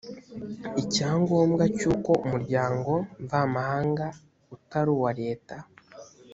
icyangombwa cyuko umuryango mvamahanga utari uwa leta